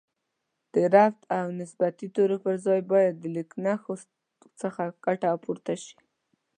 د ربط او نسبتي تورو پر ځای باید د لیکنښو څخه ګټه پورته شي